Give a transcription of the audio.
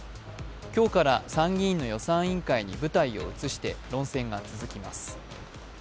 今日から参議院の予算委員会に舞台を移して論戦が続きます。